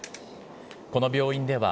この病院では、